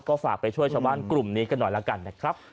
ก็ฝากไปช่วยชาวบ้านกลุ่มนี้กันหน่อยแล้วกันนะครับ